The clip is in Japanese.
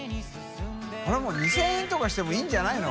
海もう２０００円とかしてもいいんじゃないの？